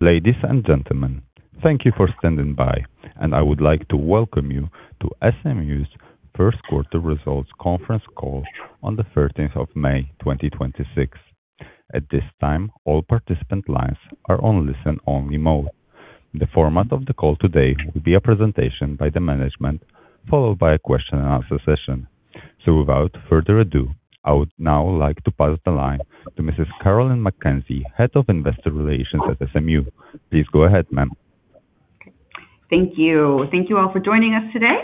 Ladies and gentlemen, thank you for standing by, and I would like to welcome you to SMU's first quarter results conference call on the May 13th, 2026. At this time, all participant lines are on listen-only mode. The format of the call today will be a presentation by the management, followed by a question and answer session. Without further ado, I would now like to pass the line to Mrs. Carolyn McKenzie, Head of Investor Relations at SMU. Please go ahead, ma'am. Thank you. Thank you all for joining us today.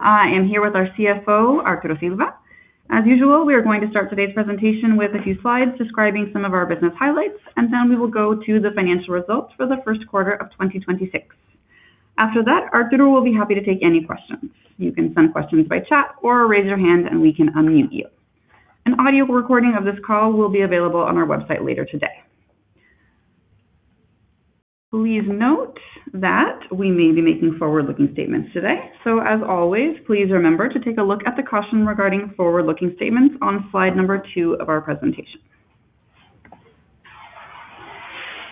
I am here with our CFO, Arturo Silva. As usual, we are going to start today's presentation with a few slides describing some of our business highlights, and then we will go to the financial results for the first quarter of 2026. After that, Arturo will be happy to take any questions. You can send questions by chat or raise your hand, and we can unmute you. An audio recording of this call will be available on our website later today. Please note that we may be making forward-looking statements today. As always, please remember to take a look at the caution regarding forward-looking statements on slide two of our presentation.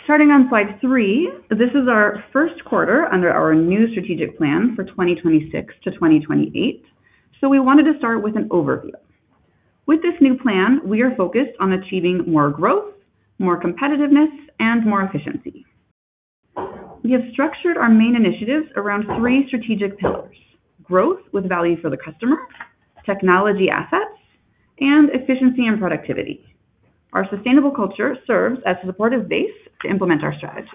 Starting on slide three, this is our first quarter under our new strategic plan for 2026 to 2028. We wanted to start with an overview. With this new plan, we are focused on achieving more growth, more competitiveness, and more efficiency. We have structured our main initiatives around three strategic pillars: growth with value for the customer, technology assets, and efficiency and productivity. Our sustainable culture serves as a supportive base to implement our strategy.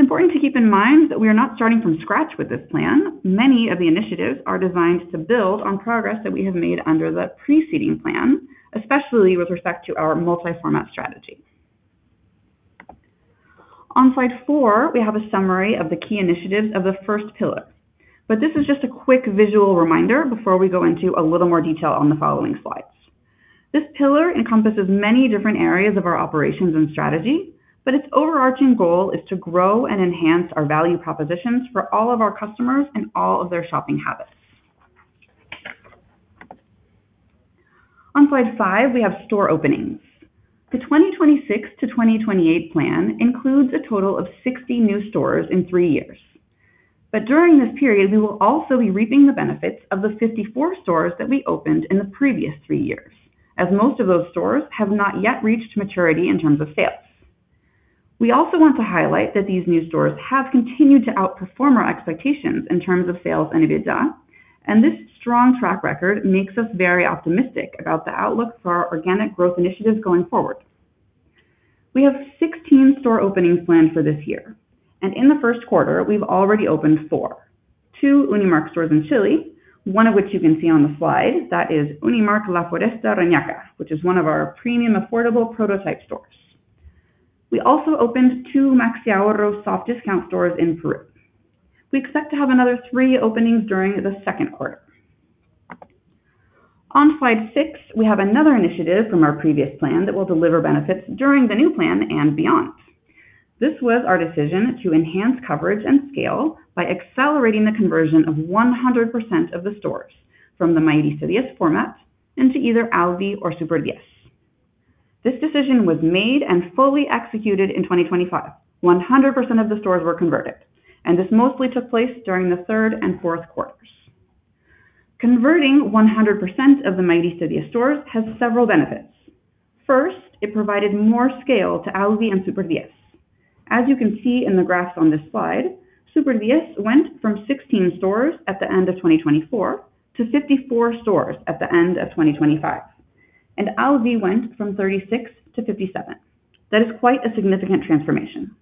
It's important to keep in mind that we are not starting from scratch with this plan. Many of the initiatives are designed to build on progress that we have made under the preceding plan, especially with respect to our multi-format strategy. On slide four, we have a summary of the key initiatives of the first pillar, but this is just a quick visual reminder before we go into a little more detail on the following slides. This pillar encompasses many different areas of our operations and strategy, but its overarching goal is to grow and enhance our value propositions for all of our customers and all of their shopping habits. On slide five, we have store openings. The 2026-2028 plan includes a total of 60 new stores in three years. During this period, we will also be reaping the benefits of the 54 stores that we opened in the previous three years, as most of those stores have not yet reached maturity in terms of sales. We also want to highlight that these new stores have continued to outperform our expectations in terms of sales and EBITDA, and this strong track record makes us very optimistic about the outlook for our organic growth initiatives going forward. We have 16 store openings planned for this year, and in the first quarter, we've already opened four. Two Unimarc stores in Chile, one of which you can see on the slide. That is Unimarc La Foresta Reñaca, which is one of our premium affordable prototype stores. We also opened two Maxi Ahorro soft discount stores in Peru. We expect to have another three openings during the second quarter. On slide six, we have another initiative from our previous plan that will deliver benefits during the new plan and beyond. This was our decision to enhance coverage and scale by accelerating the conversion of 100% of the stores from the Mi Di Cerca format into either Alvi or Super10. This decision was made and fully executed in 2025. 100% of the stores were converted, this mostly took place during the third and fourth quarters. Converting 100% of the Mi Di Cerca stores has several benefits. First, it provided more scale to Alvi and Super10. As you can see in the graphs on this slide, Super10 went from 16 stores at the end of 2024 to 54 stores at the end of 2025, and Alvi went from 36 to 57. That is quite a significant transformation.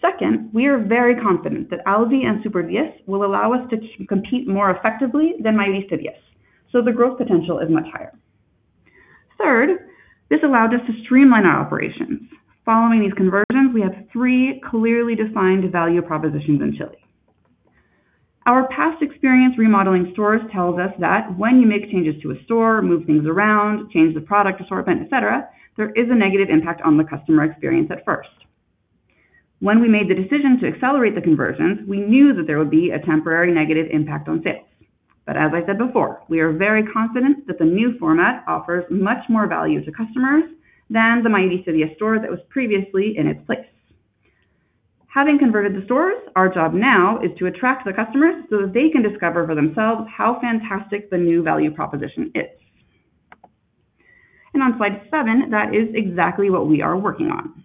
Second, we are very confident that Alvi and Super10 will allow us to compete more effectively than Mi Di Cerca, so the growth potential is much higher. Third, this allowed us to streamline our operations. Following these conversions, we have three clearly defined value propositions in Chile. Our past experience remodeling stores tells us that when you make changes to a store, move things around, change the product assortment, et cetera, there is a negative impact on the customer experience at first. When we made the decision to accelerate the conversions, we knew that there would be a temporary negative impact on sales. As I said before, we are very confident that the new format offers much more value to customers than the Mi Di Cerca store that was previously in its place. Having converted the stores, our job now is to attract the customers so that they can discover for themselves how fantastic the new value proposition is. On slide seven, that is exactly what we are working on.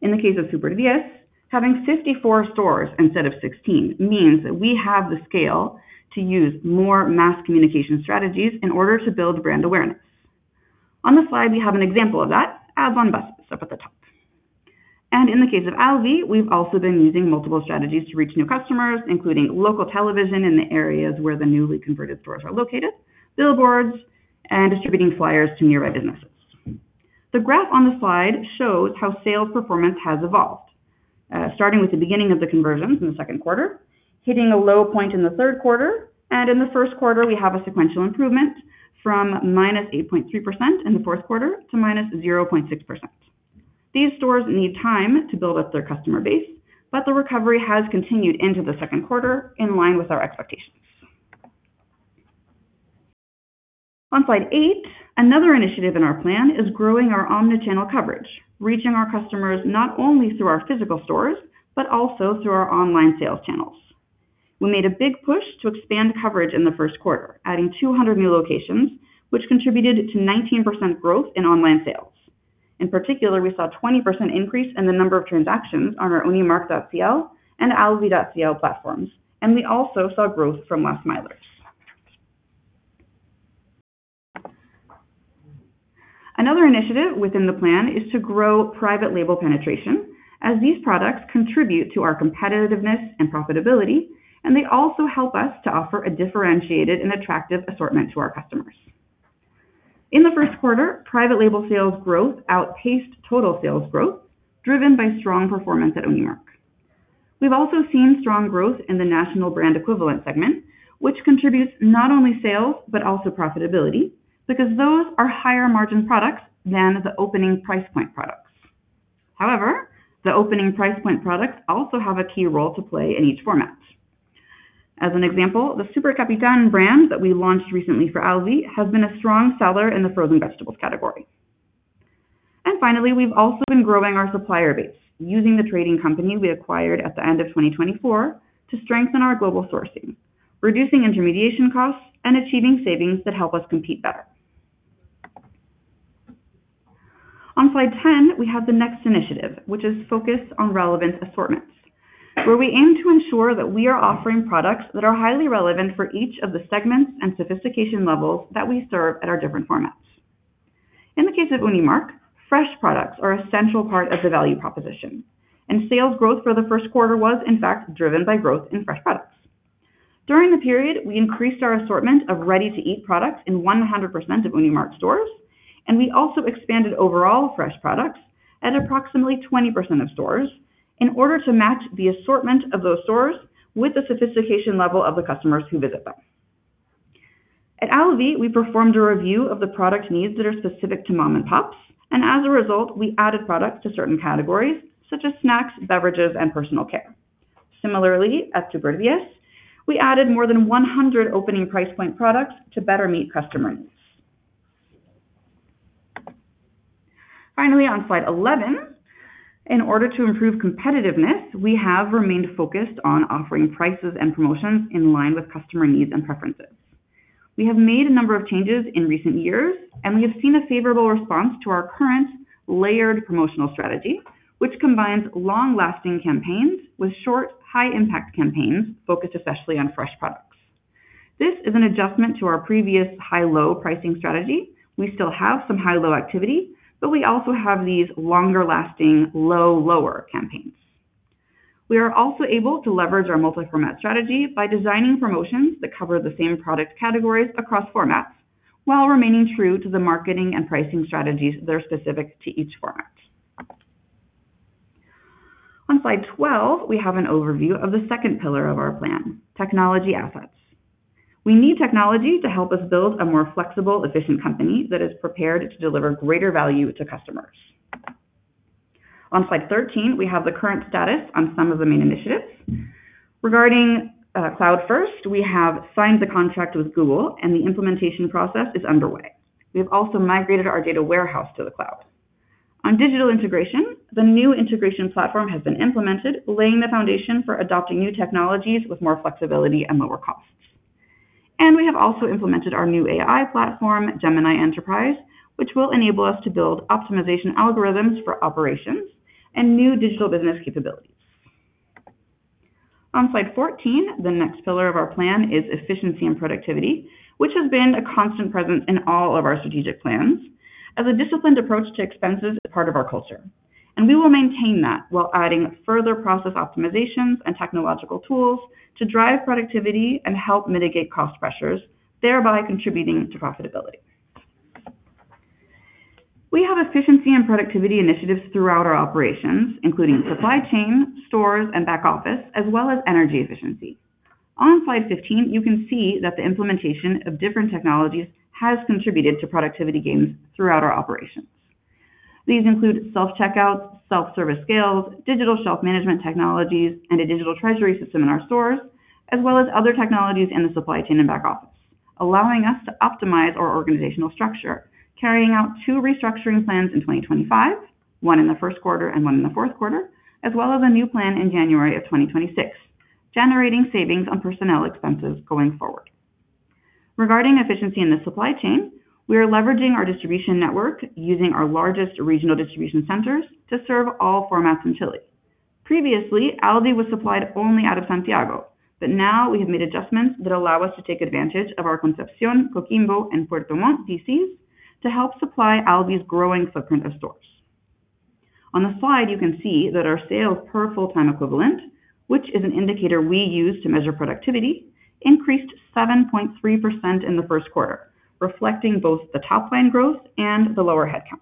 In the case of Mi Di Cerca, having 54 stores instead of 16 means that we have the scale to use more mass communication strategies in order to build brand awareness. On the slide, we have an example of that, ads on buses up at the top. In the case of Alvi, we've also been using multiple strategies to reach new customers, including local television in the areas where the newly converted stores are located, billboards, and distributing flyers to nearby businesses. The graph on the slide shows how sales performance has evolved. Starting with the beginning of the conversions in the second quarter, hitting a low point in the third quarter, and in the first quarter, we have a sequential improvement from -8.3% in the fourth quarter to -0.6%. These stores need time to build up their customer base, but the recovery has continued into the second quarter in line with our expectations. On slide eight, another initiative in our plan is growing our omni-channel coverage, reaching our customers not only through our physical stores, but also through our online sales channels. We made a big push to expand coverage in the first quarter, adding 200 new locations, which contributed to 19% growth in online sales. In particular, we saw a 20% increase in the number of transactions on our unimarc.cl and alvi.cl platforms, and we also saw growth from last milers. Another initiative within the plan is to grow private label penetration, as these products contribute to our competitiveness and profitability, and they also help us to offer a differentiated and attractive assortment to our customers. In the first quarter, private label sales growth outpaced total sales growth, driven by strong performance at Unimarc. We've also seen strong growth in the national brand equivalent segment, which contributes not only sales but also profitability because those are higher margin products than the opening price point products. The opening price point products also have a key role to play in each format. As an example, the Super Capitán brand that we launched recently for Alvi has been a strong seller in the frozen vegetables category. Finally, we've also been growing our supplier base using the trading company we acquired at the end of 2024 to strengthen our global sourcing, reducing intermediation costs and achieving savings that help us compete better. On slide 10, we have the next initiative, which is focused on relevant assortments, where we aim to ensure that we are offering products that are highly relevant for each of the segments and sophistication levels that we serve at our different formats. In the case of Unimarc, fresh products are a central part of the value proposition, and sales growth for the first quarter was in fact driven by growth in fresh products. During the period, we increased our assortment of ready-to-eat products in 100% of Unimarc stores, and we also expanded overall fresh products at approximately 20% of stores in order to match the assortment of those stores with the sophistication level of the customers who visit them. At Alvi, we performed a review of the product needs that are specific to mom and pops, and as a result, we added products to certain categories such as snacks, beverages, and personal care. Similarly, at Super10, we added more than 100 opening price point products to better meet customer needs. Finally, on slide 11, in order to improve competitiveness, we have remained focused on offering prices and promotions in line with customer needs and preferences. We have made a number of changes in recent years, and we have seen a favorable response to our current layered promotional strategy, which combines long-lasting campaigns with short, high-impact campaigns focused especially on fresh products. This is an adjustment to our previous high-low pricing strategy. We still have some high-low activity, but we also have these longer-lasting low, lower campaigns. We are also able to leverage our multi-format strategy by designing promotions that cover the same product categories across formats while remaining true to the marketing and pricing strategies that are specific to each format. On slide 12, we have an overview of the second pillar of our plan, technology assets. We need technology to help us build a more flexible, efficient company that is prepared to deliver greater value to customers. On slide 13, we have the current status on some of the main initiatives. Regarding cloud-first, we have signed the contract with Google and the implementation process is underway. We have also migrated our data warehouse to the cloud. On digital integration, the new integration platform has been implemented, laying the foundation for adopting new technologies with more flexibility and lower costs. We have also implemented our new AI platform, Gemini Enterprise, which will enable us to build optimization algorithms for operations and new digital business capabilities. On slide 14, the next pillar of our plan is efficiency and productivity, which has been a constant presence in all of our strategic plans as a disciplined approach to expenses is part of our culture, and we will maintain that while adding further process optimizations and technological tools to drive productivity and help mitigate cost pressures, thereby contributing to profitability. We have efficiency and productivity initiatives throughout our operations, including supply chain, stores, and back office, as well as energy efficiency. On slide 15, you can see that the implementation of different technologies has contributed to productivity gains throughout our operations. These include self-checkouts, self-service scales, digital shelf management technologies, and a digital treasury system in our stores, as well as other technologies in the supply chain and back office, allowing us to optimize our organizational structure, carrying out two restructuring plans in 2025, one in the first quarter and one in the fourth quarter, as well as a new plan in January of 2026, generating savings on personnel expenses going forward. Regarding efficiency in the supply chain, we are leveraging our distribution network using our largest regional distribution centers to serve all formats in Chile. Previously, Alvi was supplied only out of Santiago, but now we have made adjustments that allow us to take advantage of our Concepción, Coquimbo, and Puerto Montt DCs to help supply Alvi's growing footprint of stores. On the slide, you can see that our sales per full-time equivalent, which is an indicator we use to measure productivity, increased 7.3% in the first quarter, reflecting both the top-line growth and the lower headcount.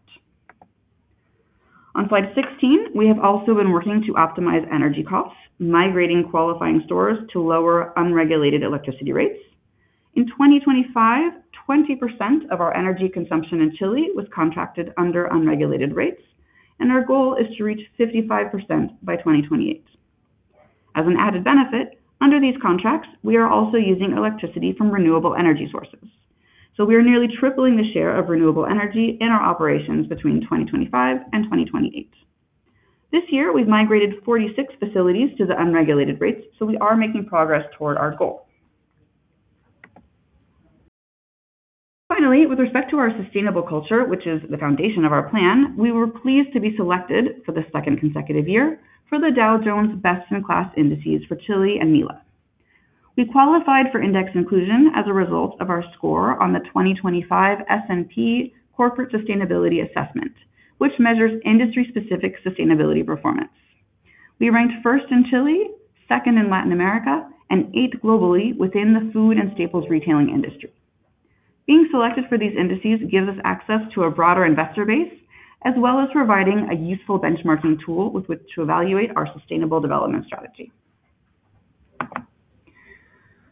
On slide 16, we have also been working to optimize energy costs, migrating qualifying stores to lower unregulated electricity rates. In 2025, 20% of our energy consumption in Chile was contracted under unregulated rates, our goal is to reach 55% by 2028. As an added benefit, under these contracts, we are also using electricity from renewable energy sources. We are nearly tripling the share of renewable energy in our operations between 2025 and 2028. This year, we've migrated 46 facilities to the unregulated rates, we are making progress toward our goal. With respect to our sustainable culture, which is the foundation of our plan, we were pleased to be selected for the second consecutive year for the Dow Jones Best-in-Class Indices for Chile and MILA. We qualified for index inclusion as a result of our score on the 2025 S&P Corporate Sustainability Assessment, which measures industry-specific sustainability performance. We ranked first in Chile, second in Latin America, and eighth globally within the food and staples retailing industry. Being selected for these indices gives us access to a broader investor base, as well as providing a useful benchmarking tool with which to evaluate our sustainable development strategy.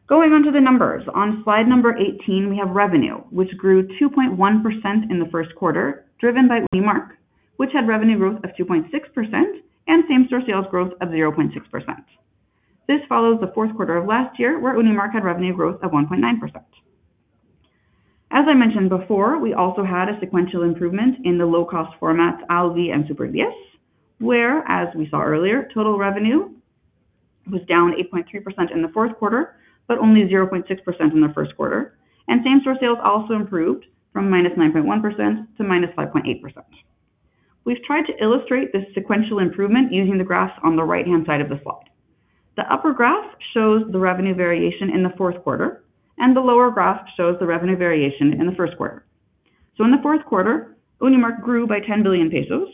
Going on to the numbers. On slide number 18, we have revenue, which grew 2.1% in the first quarter, driven by Unimarc, which had revenue growth of 2.6% and same-store sales growth of 0.6%. This follows the fourth quarter of last year, where Unimarc had revenue growth of 1.9%. As I mentioned before, we also had a sequential improvement in the low-cost formats, Alvi and Super10, where, as we saw earlier, total revenue was down 8.3% in the fourth quarter, but only 0.6% in the first quarter. Same-store sales also improved from -9.1% to -5.8%. We've tried to illustrate this sequential improvement using the graphs on the right-hand side of the slide. The upper graph shows the revenue variation in the fourth quarter, and the lower graph shows the revenue variation in the first quarter. In the fourth quarter, Unimarc grew by 10 billion pesos,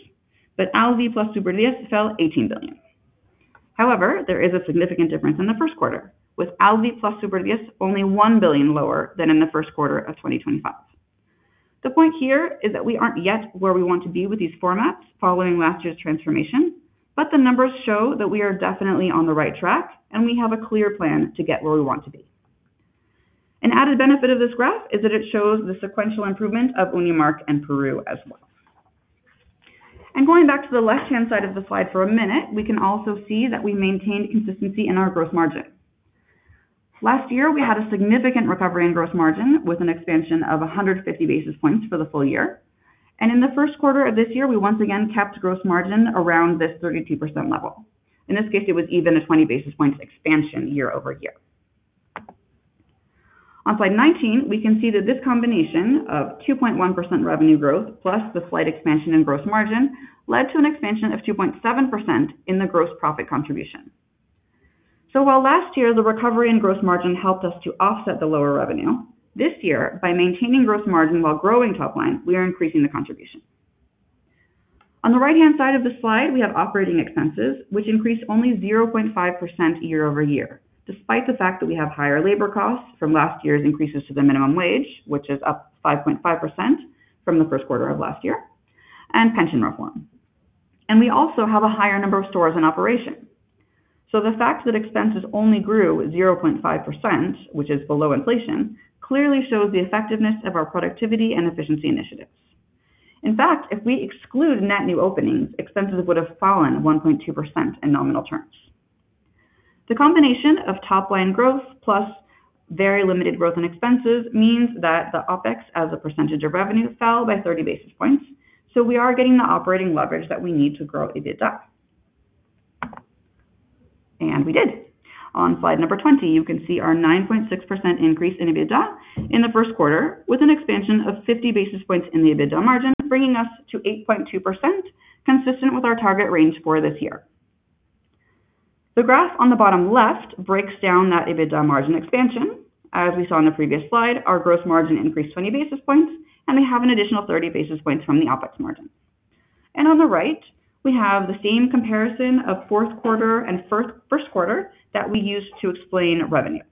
but Alvi plus Super10 fell 18 billion. There is a significant difference in the first quarter, with Alvi plus Super10 only 1 billion lower than in the first quarter of 2025. The point here is that we aren't yet where we want to be with these formats following last year's transformation, but the numbers show that we are definitely on the right track, and we have a clear plan to get where we want to be. An added benefit of this graph is that it shows the sequential improvement of Unimarc and Peru as well. Going back to the left-hand side of the slide for a minute, we can also see that we maintained consistency in our gross margin. Last year, we had a significant recovery in gross margin with an expansion of 150 basis points for the full year. In the first quarter of this year, we once again kept gross margin around this 32% level. In this case, it was even a 20 basis points expansion year-over-year. On slide 19, we can see that this combination of 2.1% revenue growth plus the slight expansion in gross margin led to an expansion of 2.7% in the gross profit contribution. While last year, the recovery in gross margin helped us to offset the lower revenue, this year, by maintaining gross margin while growing top line, we are increasing the contribution. On the right-hand side of the slide, we have operating expenses, which increased only 0.5% year-over-year, despite the fact that we have higher labor costs from last year's increases to the minimum wage, which is up 5.5% from the first quarter of last year, and pension reform. We also have a higher number of stores in operation. The fact that expenses only grew 0.5%, which is below inflation, clearly shows the effectiveness of our productivity and efficiency initiatives. In fact, if we exclude net new openings, expenses would have fallen 1.2% in nominal terms. The combination of top line growth plus very limited growth in expenses means that the OpEx as a percentage of revenue fell by 30 basis points, so we are getting the operating leverage that we need to grow EBITDA. We did. On slide number 20, you can see our 9.6% increase in EBITDA in the first quarter, with an expansion of 50 basis points in the EBITDA margin, bringing us to 8.2%, consistent with our target range for this year. The graph on the bottom left breaks down that EBITDA margin expansion. As we saw in the previous slide, our gross margin increased 20 basis points, and we have an additional 30 basis points from the OpEx margin. On the right, we have the same comparison of fourth quarter and first quarter that we used to explain revenue.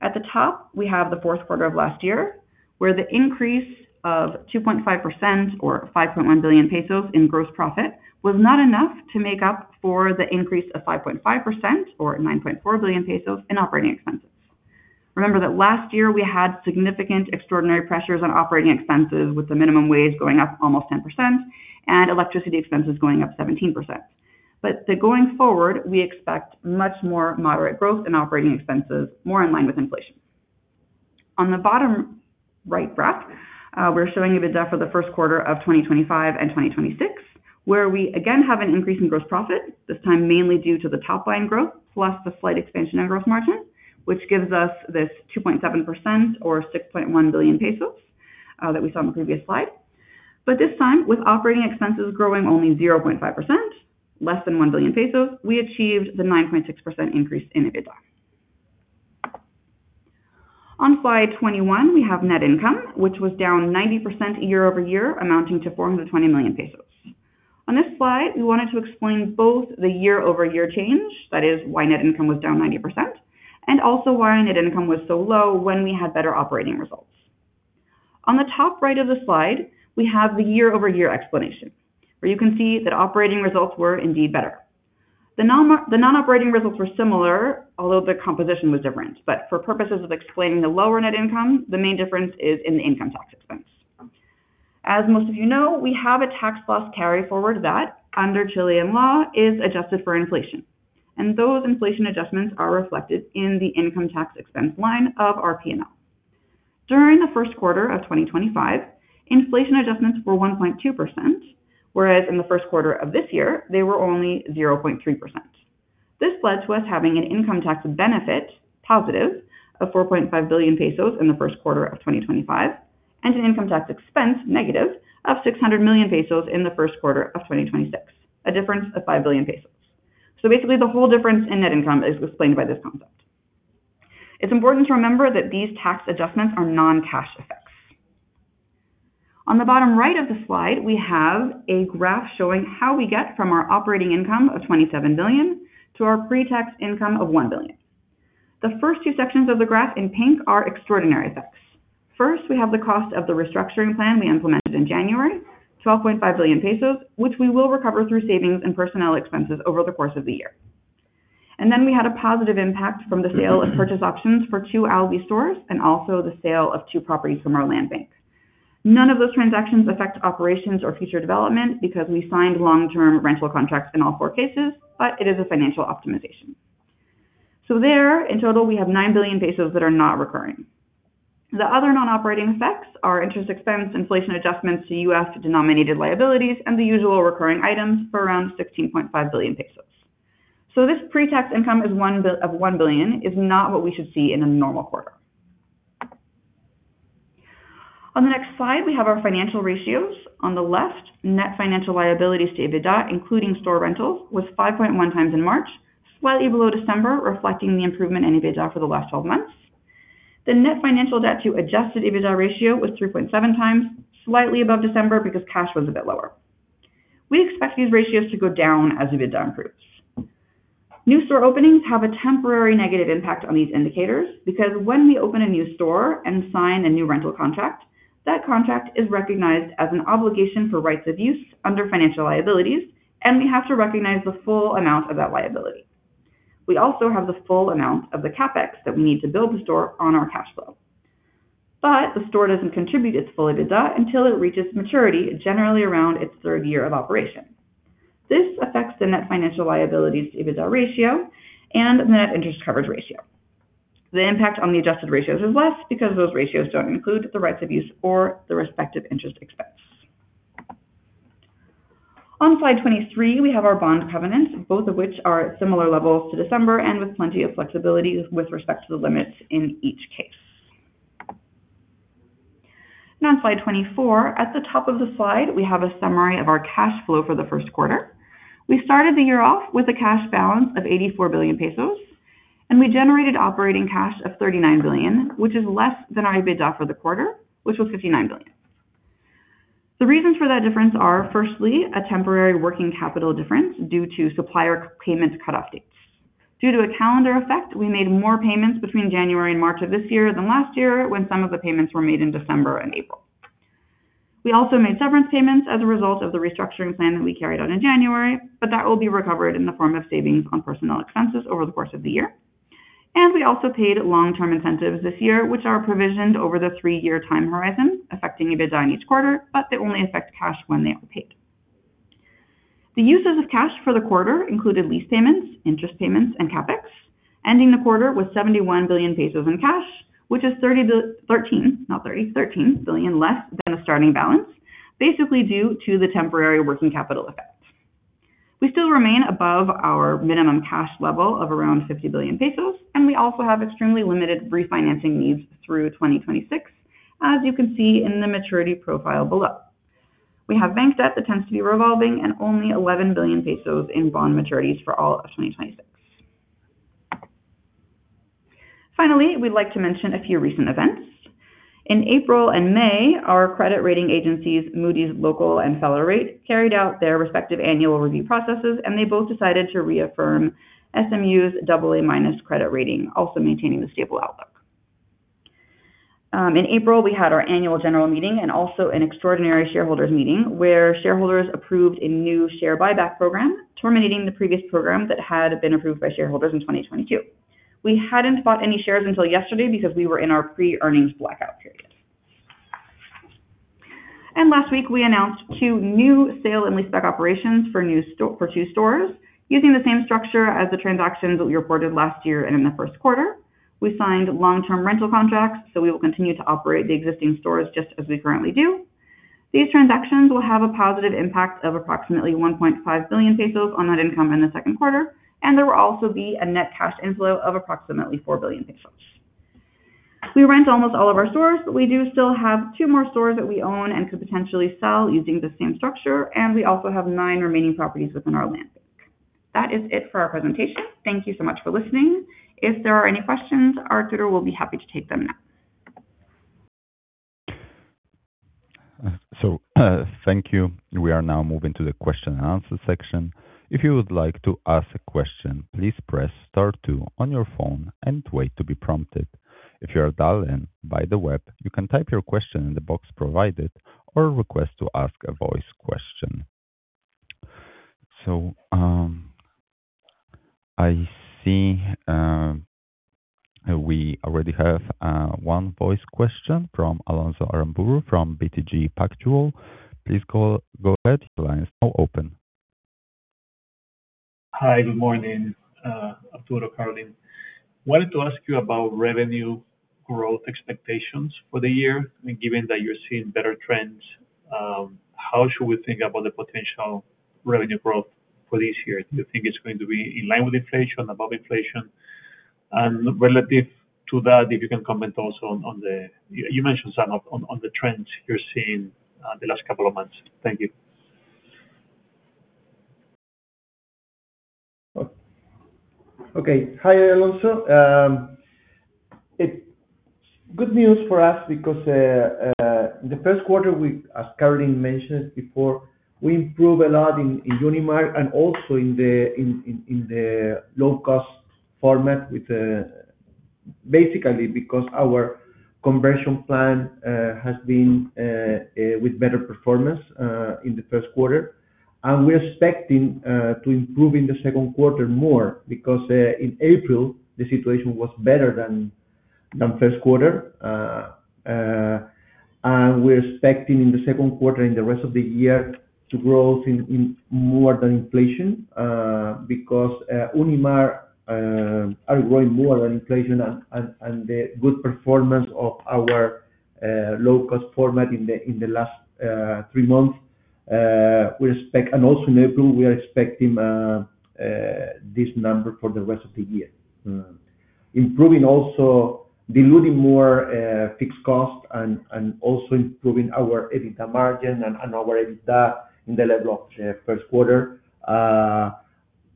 At the top, we have the fourth quarter of last year, where the increase of 2.5% or 5.1 billion pesos in gross profit was not enough to make up for the increase of 5.5% or 9.4 billion pesos in operating expenses. Remember that last year, we had significant extraordinary pressures on operating expenses, with the minimum wage going up almost 10% and electricity expenses going up 17%. Going forward, we expect much more moderate growth in operating expenses, more in line with inflation. On the bottom right graph, we're showing EBITDA for the first quarter of 2025 and 2026, where we again have an increase in gross profit, this time mainly due to the top line growth plus the slight expansion in gross margin, which gives us this 2.7% or 6.1 billion pesos, that we saw in the previous slide. This time, with operating expenses growing only 0.5%, less than 1 billion pesos, we achieved the 9.6% increase in EBITDA. On slide 21, we have net income, which was down 90% year-over-year, amounting to 420 million pesos. On this slide, we wanted to explain both the year-over-year change, that is why net income was down 90%, and also why net income was so low when we had better operating results. On the top right of the slide, we have the year-over-year explanation, where you can see that operating results were indeed better. The non-operating results were similar, although the composition was different. For purposes of explaining the lower net income, the main difference is in the income tax expense. As most of you know, we have a tax loss carry forward that under Chilean law is adjusted for inflation, and those inflation adjustments are reflected in the income tax expense line of our P&L. During the first quarter of 2025, inflation adjustments were 1.2%, whereas in the first quarter of this year they were only 0.3%. This led to us having an income tax benefit positive of 4.5 billion pesos in the first quarter of 2025, and an income tax expense negative of 600 million pesos in the first quarter of 2026. A difference of 5 billion pesos. Basically, the whole difference in net income is explained by this concept. It's important to remember that these tax adjustments are non-cash effects. On the bottom right of the slide, we have a graph showing how we get from our operating income of 27 billion to our pre-tax income of 1 billion. The first two sections of the graph in pink are extraordinary effects. We have the cost of the restructuring plan we implemented in January, 12.5 billion pesos, which we will recover through savings and personnel expenses over the course of the year. We had a positive impact from the sale of purchase options for two Alvi stores and also the sale of two properties from our land bank. None of those transactions affect operations or future development because we signed long-term rental contracts in all four cases, but it is a financial optimization. In total, we have 9 billion pesos that are not recurring. The other non-operating effects are interest expense, inflation adjustments to US-denominated liabilities, and the usual recurring items for around 16.5 billion pesos. This pre-tax income is of 1 billion is not what we should see in a normal quarter. On the next slide, we have our financial ratios. On the left, net financial liabilities to EBITDA, including store rentals, was 5.1x in March, slightly below December, reflecting the improvement in EBITDA for the last 12 months. The net financial debt to adjusted EBITDA ratio was 3.7x, slightly above December because cash was a bit lower. We expect these ratios to go down as EBITDA improves. New store openings have a temporary negative impact on these indicators because when we open a new store and sign a new rental contract, that contract is recognized as an obligation for rights of use under financial liabilities, and we have to recognize the full amount of that liability. We also have the full amount of the CapEx that we need to build the store on our cash flow. The store doesn't contribute its full EBITDA until it reaches maturity, generally around its third year of operation. This affects the net financial liabilities to EBITDA ratio and net interest coverage ratio. The impact on the adjusted ratios is less because those ratios don't include the rights of use or the respective interest expense. On slide 23, we have our bond covenants, both of which are at similar levels to December and with plenty of flexibility with respect to the limits in each case. On slide 24, at the top of the slide, we have a summary of our cash flow for the first quarter. We started the year off with a cash balance of 84 billion pesos, and we generated operating cash of 39 billion, which is less than our EBITDA for the quarter, which was 59 billion. The reasons for that difference are, firstly, a temporary working capital difference due to supplier payments cutoff dates. Due to a calendar effect, we made more payments between January and March of this year than last year, when some of the payments were made in December and April. We also made severance payments as a result of the restructuring plan that we carried out in January, but that will be recovered in the form of savings on personnel expenses over the course of the year. We also paid long-term incentives this year, which are provisioned over the three-year time horizon, affecting EBITDA in each quarter, but they only affect cash when they are paid. The uses of cash for the quarter included lease payments, interest payments, and CapEx, ending the quarter with 71 billion pesos in cash, which is 13 billion less than the starting balance, basically due to the temporary working capital effect. We still remain above our minimum cash level of around 50 billion pesos, and we also have extremely limited refinancing needs through 2026, as you can see in the maturity profile below. We have bank debt that tends to be revolving and only 11 billion pesos in bond maturities for all of 2026. We'd like to mention a few recent events. In April and May, our credit rating agencies, Moody's Local and Feller Rate, carried out their respective annual review processes, and they both decided to reaffirm SMU's AA- credit rating, also maintaining the stable outlook. In April, we had our annual general meeting and also an extraordinary shareholders meeting where shareholders approved a new share buyback program, terminating the previous program that had been approved by shareholders in 2022. We hadn't bought any shares until yesterday because we were in our pre-earnings blackout period. Last week, we announced two new sale and leaseback operations for two stores using the same structure as the transactions we reported last year and in the first quarter. We signed long-term rental contracts, so we will continue to operate the existing stores just as we currently do. These transactions will have a positive impact of approximately 1.5 billion pesos on net income in the second quarter, and there will also be a net cash inflow of approximately 4 billion pesos. We rent almost all of our stores, but we do still have two more stores that we own and could potentially sell using the same structure, and we also have nine remaining properties within our land bank. That is it for our presentation. Thank you so much for listening. If there are any questions, Arturo will be happy to take them now. Thank you. We are now moving to the question-and-answer section. If you would like to ask a question, please press star two on your phone and wait to be prompted. If you dialed in via the web, you can type your question at the box provided or request to ask a voice question. I see we already have one voice question from Alonso Aramburu from BTG Pactual. Please call, go ahead. The line is now open. Hi, good morning, Arturo, Carolyn. Wanted to ask you about revenue growth expectations for the year. Given that you're seeing better trends, how should we think about the potential revenue growth for this year? Do you think it's going to be in line with inflation, above inflation? Relative to that, if you can comment also on the trends you're seeing the last couple of months. Thank you. Okay. Hi, Alonso. It good news for us because the first quarter we, as Carolyn mentioned before, we improved a lot in Unimarc and also in the low-cost format. Basically because our conversion plan has been with better performance in the first quarter. We're expecting to improve in the second quarter more because in April, the situation was better than first quarter. We're expecting in the second quarter, in the rest of the year, to growth in more than inflation, because Unimarc are growing more than inflation and the good performance of our low-cost format in the last three months, we expect also in April, we are expecting this number for the rest of the year. Improving also diluting more fixed cost and also improving our EBITDA margin and our EBITDA in the level of first quarter.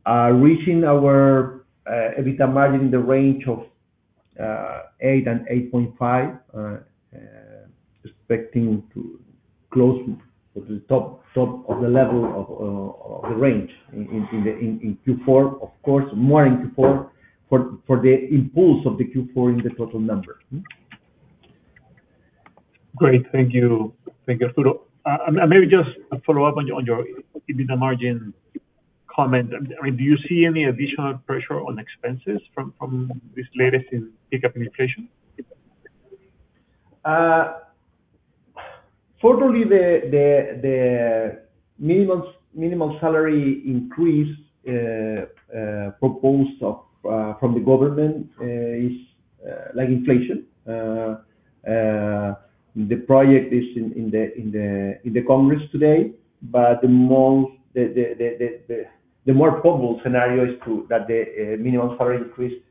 Reaching our EBITDA margin in the range of 8% and 8.5%, expecting to close to the top of the level of the range in Q4. Of course, more in Q4 for the impulse of the Q4 in the total number. Great. Thank you. Thank you, Arturo. Maybe just a follow-up on your, on your EBITDA margin comment. I mean, do you see any additional pressure on expenses from this latest pick up in inflation? Fortunately, the minimum salary increase proposed from the government is like inflation. The project is in the Congress today, but the most probable scenario is that the minimum salary increase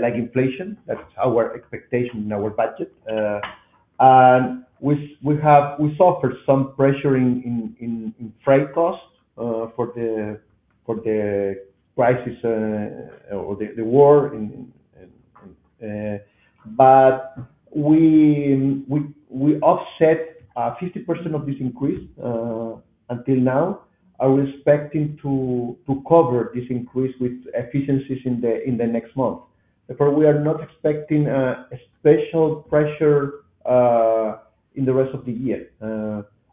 like inflation. That's our expectation in our budget. We suffered some pressure in freight costs for the crisis or the war. We offset 50% of this increase until now. We are expecting to cover this increase with efficiencies in the next month. Therefore, we are not expecting special pressure in the rest of the year.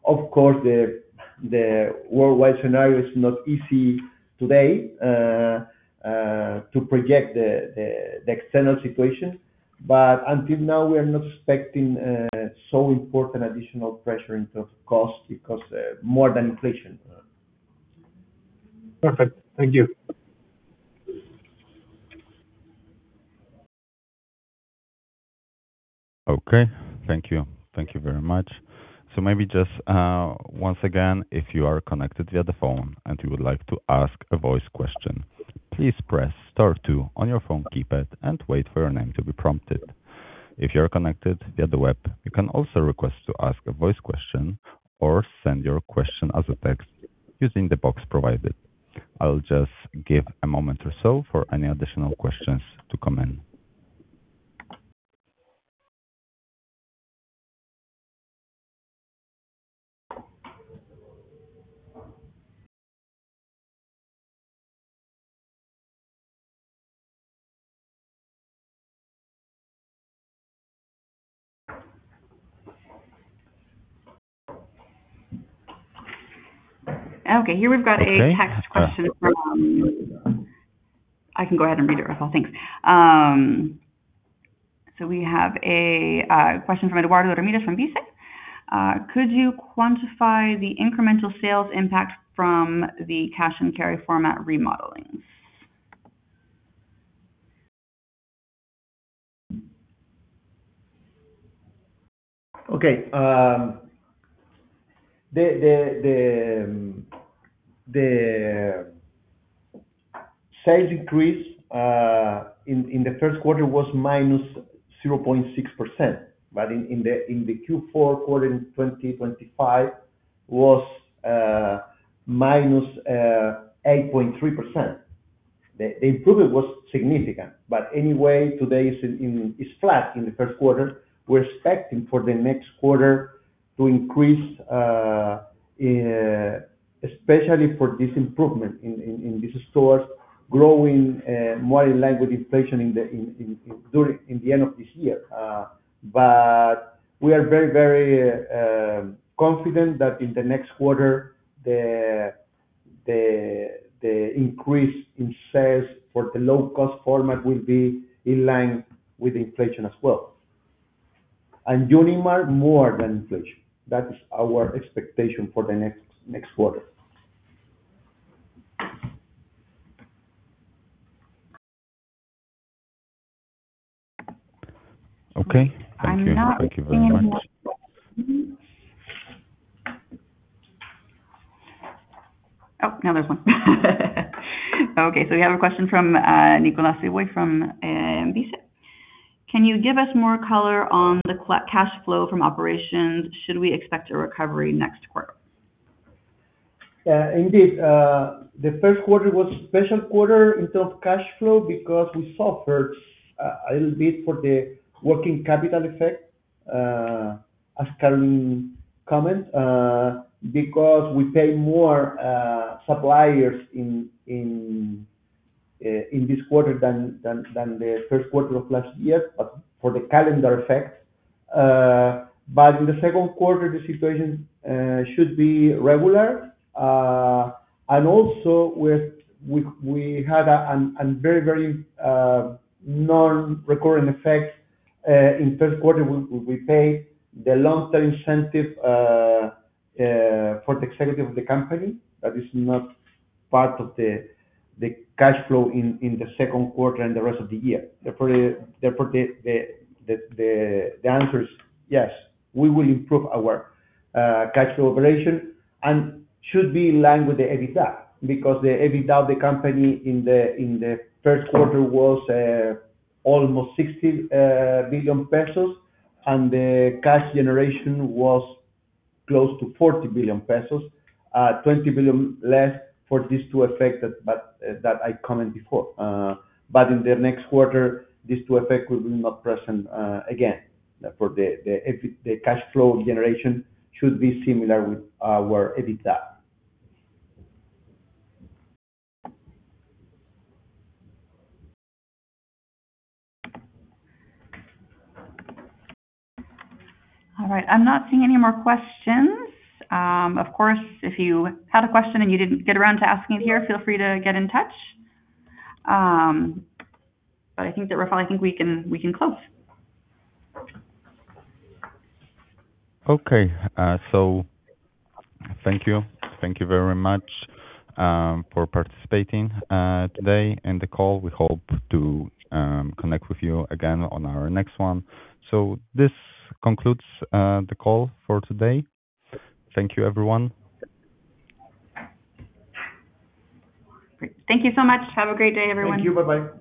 Of course, the worldwide scenario is not easy today to project the external situation. Until now, we are not expecting so important additional pressure in terms of cost because more than inflation. Perfect. Thank you. Okay. Thank you. Thank you very much. Maybe just once again, if you are connected via the phone and you would like to ask a voice question, please press star two on your phone keypad and wait for your name to be prompted. If you are connected via the web, you can also request to ask a voice question or send your question as a text using the box provided. I'll just give a moment or so for any additional questions to come in. Okay, here we've got a text question. Okay. I can go ahead and read it, Rafael. Thanks. We have a question from Eduardo Ramírez from BICE. Could you quantify the incremental sales impact from the cash and carry format remodelings? The sales increase in the first quarter was -0.6%, but in the Q4 quarter in 2025 was -8.3%. The improvement was significant. Today is flat in the first quarter. We're expecting for the next quarter to increase, especially for this improvement in these stores growing more in line with inflation in the end of this year. We are very confident that in the next quarter the increase in sales for the low cost format will be in line with inflation as well. Unimarc more than inflation. That is our expectation for the next quarter. Okay. Thank you. I'm not seeing more. Thank you very much. Oh, now there's one. Okay, We have a question from Nicolas Seboy from BICE. Can you give us more color on the cash flow from operations? Should we expect a recovery next quarter? Indeed, the first quarter was special quarter in terms of cash flow because we suffered a little bit for the working capital effect, as Carolyn comment, because we pay more suppliers in this quarter than the first quarter of last year, but for the calendar effect. But in the second quarter, the situation should be regular. And also we had a very non-recurring effect in first quarter. We pay the long-term incentive for the executive of the company. That is not part of the cash flow in the second quarter and the rest of the year. Therefore, the answer is yes, we will improve our cash flow operation and should be in line with the EBITDA because the EBITDA of the company in the first quarter was almost 60 billion pesos, and the cash generation was close to 40 billion pesos, 20 billion less for these two effect that, but that I comment before. But in the next quarter, these two effect will be not present again. For the if the cash flow generation should be similar with our EBITDA. All right. I'm not seeing any more questions. Of course, if you had a question and you didn't get around to asking it here, feel free to get in touch. I think that, Rafael, I think we can close. Okay. Thank you. Thank you very much for participating today in the call. We hope to connect with you again on our next one. This concludes the call for today. Thank you, everyone. Great. Thank you so much. Have a great day, everyone. Thank you. Bye-bye.